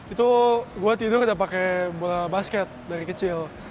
itu gue tidur udah pakai bola basket dari kecil